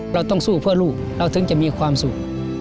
เราต้องสู้เพื่อลูกเราถึงจะมีความสุข